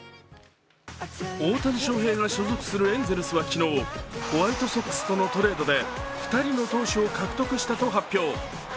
大谷翔平が所属するエンゼルスは昨日、ホワイトソックスとのトレードで２人の投手を獲得したと発表。